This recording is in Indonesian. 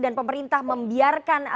dan pemerintah membiarkan